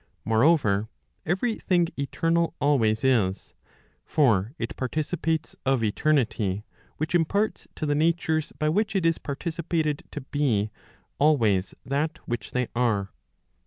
Moreover, every thing eternal always is. For it participates of eternity, which imparts to the natures by which it is participated to be always that which they are.